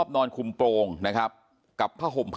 เป็นมีดปลายแหลมยาวประมาณ๑ฟุตนะฮะที่ใช้ก่อเหตุ